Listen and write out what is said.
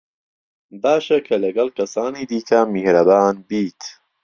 باشە کە لەگەڵ کەسانی دیکە میهرەبان بیت.